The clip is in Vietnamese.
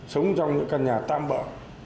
sống trong những căn nhà tam bỡ